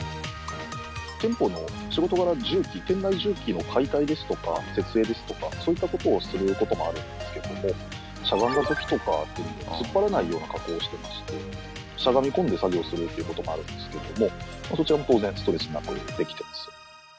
店舗の仕事柄、店内什器の解体ですとか設営ですとか、そういったことをすることもあるんですけどしゃがんだ時とかつっぱらないような加工をしてましてしゃがみ込んで作業するっていうこともあるんですけどもそちらも当然ストレスなくできてます。